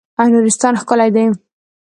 نورستان ښکلی دی.